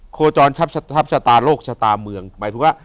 โคจรทัพชะตาโลกชะตาเมืองหมายถึงว่า